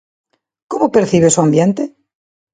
Como percibes o ambiente?